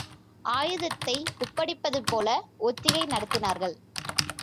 ஆயுதங்களை ஒப்படைப்பதுபோல ஒத்திகை நடத்தினார்கள்.